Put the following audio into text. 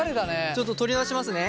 ちょっと取り出しますね。